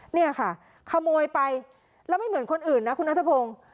เนี่ยค่ะขโมยไปแล้วไม่เหมือนคนอื่นนะคุณนัทพงศ์